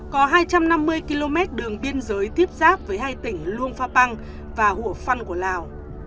có hai trăm năm mươi km đường biên giới tiếp giáp với hai tỉnh luông pha băng và hủa phăn của lào